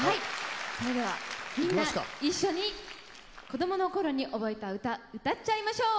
それではみんな一緒にこどもの頃に覚えた歌歌っちゃいましょう！